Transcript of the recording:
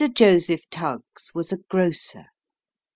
Joseph Tuggs was a grocer.